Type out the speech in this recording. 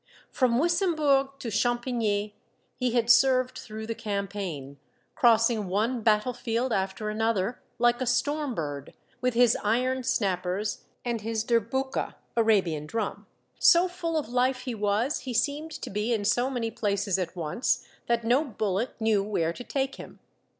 From Wissembourg to Champigny he had served through the cam paign, crossing one battlefield after another, like a storm bird, with his iron snappers and his derbouka (Arabian drum) ; so full of life he was, he seemed to be in so many places at once, that no bullet knew where to take him.